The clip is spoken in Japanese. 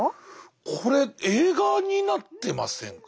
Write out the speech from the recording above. これ映画になってませんか？